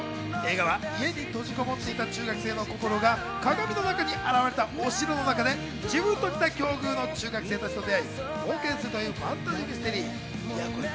映画は家に閉じこもっていた中学生のこころが、鏡の中に現れたお城の中で、自分と似た境遇の中学生たちと出会い、冒険するというファンタジー・ミステリー。